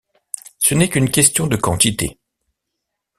Ce n’est qu’une question de quantité.